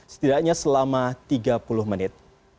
setidaknya selama tiga puluh menit